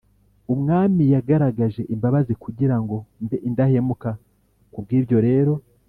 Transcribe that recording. Umwamib yagaragarije imbabazi kugira ngo mbe indahemuka ku bw ibyo rero